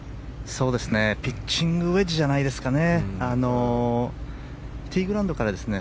ピッチングウェッジじゃないですかね。